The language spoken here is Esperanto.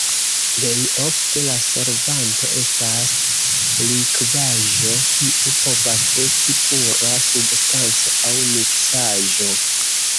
Plej ofte, la solvanto estas likvaĵo, kiu povas esti pura substanco aŭ miksaĵo.